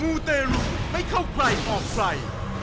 มูเตรุให้เข้าใกล้ออกไฟ